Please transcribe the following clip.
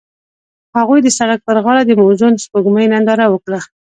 هغوی د سړک پر غاړه د موزون سپوږمۍ ننداره وکړه.